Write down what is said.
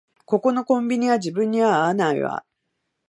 ここのコンビニは自分には合わないわ